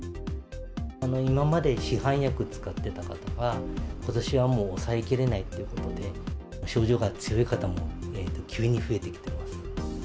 今まで市販薬使っていた方が、ことしはもう抑えきれないっていうことで、症状が強い方も急に増えてきています。